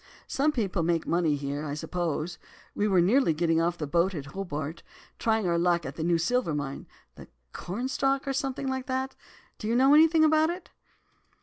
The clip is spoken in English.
Some people make money here, I suppose; we were nearly getting off the boat at Hobart and trying our luck at that new silver mine, the Cornstalk, or something like that. Do you know anything about it?